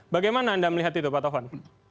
bagaimana anda melihat itu pak tovan